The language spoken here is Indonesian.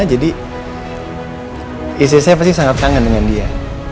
jadi istri saya pasti sangat kangen dengan dia